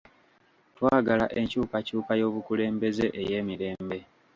Twagala enkyukakyuka y'obukulembeze ey'emirembe.